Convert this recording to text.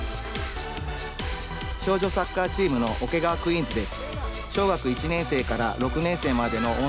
少女サッカーチームの桶川クイーンズです。